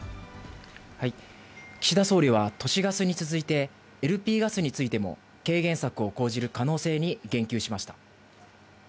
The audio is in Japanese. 岸田総理は、都市ガスに続いて、ＬＰガスについても軽減策を講じる可能性に言及しました。